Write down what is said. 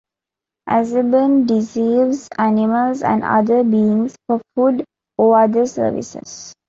Azeban deceives animals and other beings for food or other services.